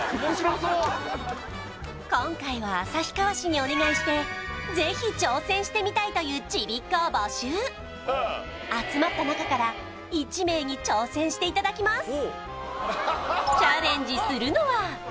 今回は旭川市にお願いしてぜひ挑戦してみたいというちびっ子を募集集まった中から１名に挑戦していただきます